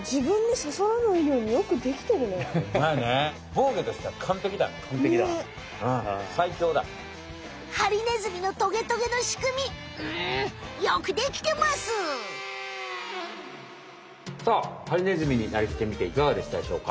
さあハリネズミになりきってみていかがでしたでしょうか？